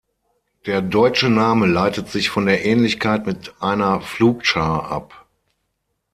Der deutsche Name leitet sich von der Ähnlichkeit mit einer Pflugschar ab.